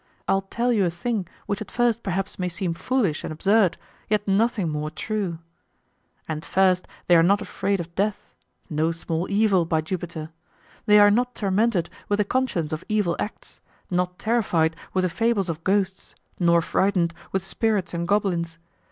I'll tell you a thing, which at first perhaps may seem foolish and absurd, yet nothing more true. And first they are not afraid of death no small evil, by Jupiter! They are not tormented with the conscience of evil acts, not terrified with the fables of ghosts, nor frightened with spirits and goblins.